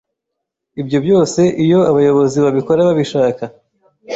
Ibyo byose iyo abayobozi babikora babishaka